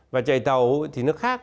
và chạy tàu thì nó khác